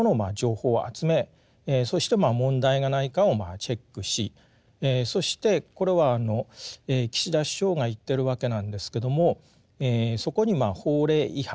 そして問題がないかをチェックしそしてこれは岸田首相が言ってるわけなんですけどもそこに法令違反